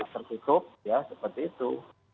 tertutup ya seperti itu